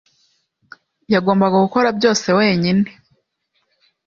yagombaga gukora byose wenyine.